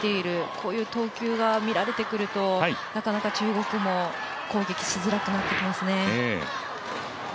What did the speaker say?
こういう投球が見られてくると、なかなか中国も攻撃しづらくなってきますね。